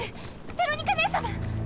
ベロニカ姉様！